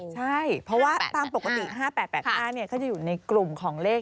ใช่เพราะว่าตามปกติ๕๘๘๕ก็จะอยู่ในกลุ่มของเลข